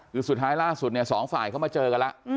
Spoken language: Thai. คือสุดท้ายล่าสุดเนี่ยสองฝ่ายเข้ามาเจอกันแล้ว